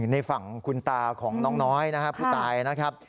ในฝั่งคุณตาของน้องน้อยนะครับผู้ตายนะครับ